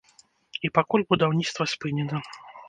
І пакуль будаўніцтва спынена.